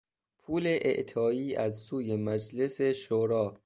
پول اعطایی از سوی مجلس شورا